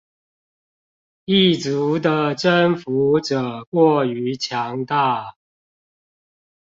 異族的征服者過於強大